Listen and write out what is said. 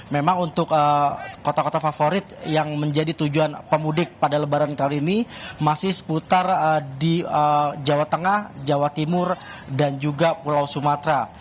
memang untuk kota kota favorit yang menjadi tujuan pemudik pada lebaran kali ini masih seputar di jawa tengah jawa timur dan juga pulau sumatera